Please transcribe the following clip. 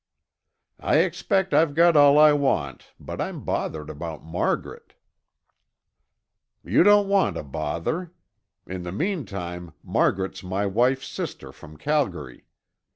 "I expect I've got all I want, but I'm bothered about Margaret." "You don't want to bother. In the meantime, Margaret's my wife's sister from Calgary.